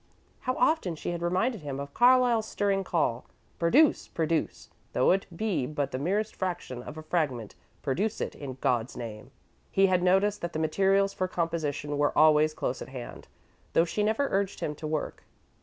How often she had reminded him of Carlyle's stirring call: "Produce, produce! Though it be but the merest fraction of a fragment, produce it, in God's name!" He had noticed that the materials for composition were always close at hand, though she never urged him to work.